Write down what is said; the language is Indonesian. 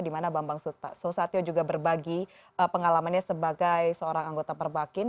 di mana bambang susatyo juga berbagi pengalamannya sebagai seorang anggota perbakin